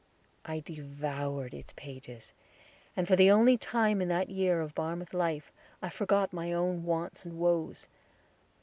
I devoured its pages, and for the only time in that year of Barmouth life, I forgot my own wants and woes.